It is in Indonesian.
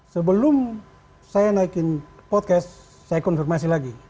sebelum saya naikin podcast saya konfirmasi lagi